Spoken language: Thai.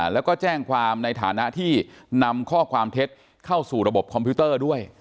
แล้วก็แจ้งความในฐานะที่นำข้อความเท็จเข้าสู่ระบบคอมพิวเตอร์ด้วย